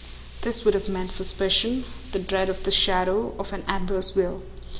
This would have meant the suspicion, the dread of the shadow, of an adverse will.